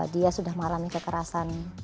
dia sudah mengalami kekerasan